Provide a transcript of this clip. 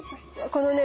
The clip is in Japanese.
このね。